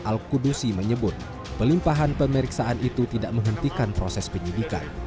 al kudusi menyebut pelimpahan pemeriksaan itu tidak menghentikan proses penyidikan